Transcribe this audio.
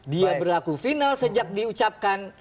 dia berlaku final sejak diucapkan